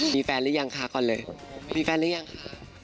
มีแฟนหรือยังคะก่อนเลยมีแฟนหรือยังคะ